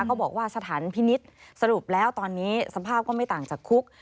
บอกว่าสถานพินิษฐ์สรุปแล้วตอนนี้สภาพก็ไม่ต่างจากคุก